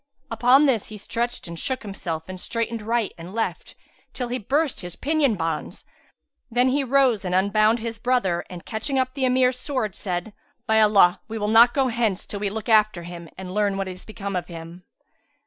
Upon this he stretched and shook himself and strained right and left, till he burst his pinion bonds; then he rose and unbound his brother and catching up the Emir's sword, said, "By Allah, we will not go hence, till we look after him and learn what is become of him."